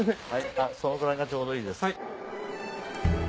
そのぐらいがちょうどいいです。